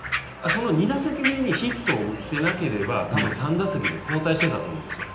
２打席目にヒット打ってなければ多分、３打席で交代していたと思うんですよ。